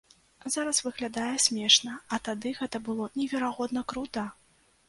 Зараз выглядае смешна, а тады гэта было неверагодна крута!